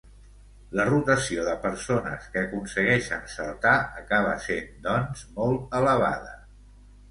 La rotació de persones que aconsegueixen saltar acaba sent, doncs, molt elevada.